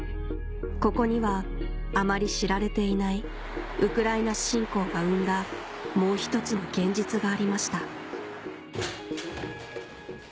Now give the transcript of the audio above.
ここにはあまり知られていないウクライナ侵攻が生んだもう１つの現実がありました